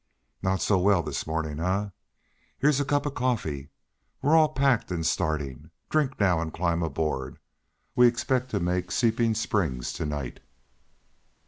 "Not so well this morning, eh? Here's a cup of coffee. We're all packed and starting. Drink now, and climb aboard. We expect to make Seeping Springs to night."